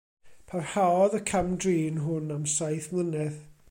Parhaodd y cam-drin hwn am saith mlynedd.